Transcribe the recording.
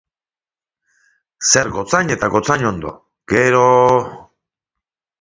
Zer gotzain eta gotzainondo, gero?